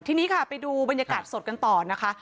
ทีนี้ค่ะไปดูบรรยากาศสดกันต่อนะคะ